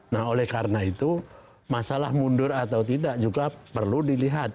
nah oleh karena itu masalah mundur atau tidak juga perlu dilihat